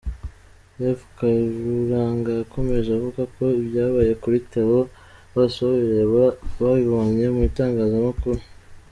Rev Karuranga yakomeje avuga ko ibyabaye kuri Theo Bosebabireba babibonye mu itangazamakuru.